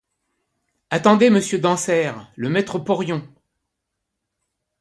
Attendez monsieur Dansaert, le maître-porion.